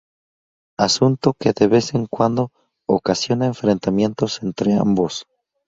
Asunto que de vez en cuando, ocasiona enfrentamientos entre ambos.